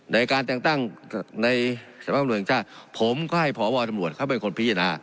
ในการแต่งตั้งในสถานบังค์บริษัทผมก็ให้พวทำรวจเขาเป็นคนพิจารณา